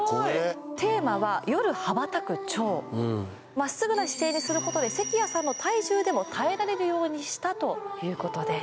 まっすぐな姿勢にすることで関谷さんの体重でも耐えられるようにしたということです